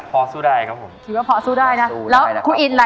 พอสู้ได้ครับผมคิดว่าพอสู้ได้นะแล้วคู่อินล่ะ